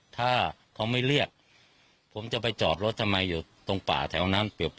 ถ้าเขาไม่เรียกผมจะไปจอดรถทำไมอยู่ตรงป่าแถวนั้นเปรียบ